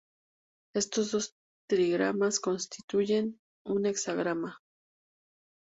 Estos dos trigramas constituyen un hexagrama.